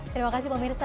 terima kasih pemirsa